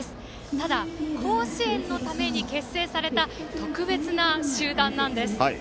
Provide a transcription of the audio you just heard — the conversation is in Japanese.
ただ、甲子園のために結成された特別な集団なんです。